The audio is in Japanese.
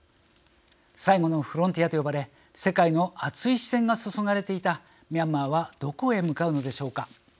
最後のフロンティアと呼ばれ世界の熱い視線が注がれていたミャンマーはどこへ向かうのでしょうか。